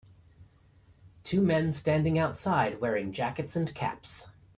Two men standing outside wearing jackets and caps.